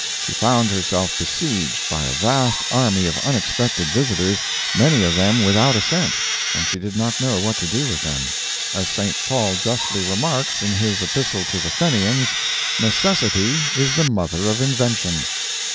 She found herself besieged by a vast army of unexpected visitors, many of them without a cent, and she did not know what to do with them. As St. Paul justly remarks, in his epistle to the Fenians, "Necessity is the mother of invention."